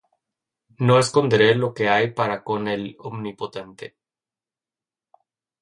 No esconderé lo que hay para con el Omnipotente.